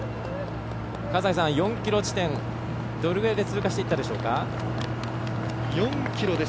笠井さん、４ｋｍ地点どれぐらいで通過していったでしょうか。